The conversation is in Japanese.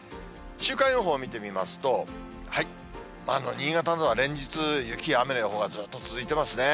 週間予報を見てみますと、新潟などは連日、雪や雨の予報がずっと続いていますね。